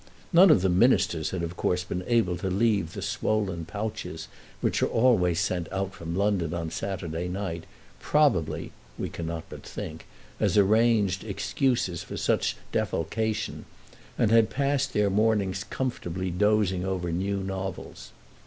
None of the Ministers had of course been able to leave the swollen pouches which are always sent out from London on Saturday night, probably, we cannot but think, as arranged excuses for such defalcation, and had passed their mornings comfortably dozing over new novels.